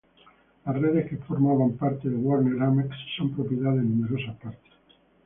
Las redes que formaban parte de Warner-Amex son propiedad de numerosas partes.